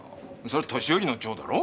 それ年寄りの蝶だろ？